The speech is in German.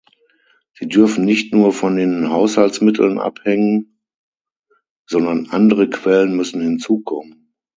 Sie dürfen nicht nur von den Haushaltsmitteln abhängen, sondern andere Quellen müssen hinzukommen.